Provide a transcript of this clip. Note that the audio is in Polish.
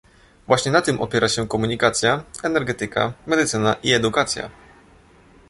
Właśnie na tym opiera się komunikacja, energetyka, medycyna i edukacja